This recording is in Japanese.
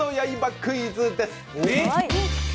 クイズです。